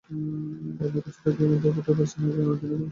আপনি কিছুতেই ভেবে উঠতে পারছেন না দিনেদুপুরে গাড়িটি কীভাবে চুরি হলো।